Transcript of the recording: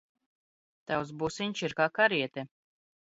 Tavs busiņš ir kā kariete.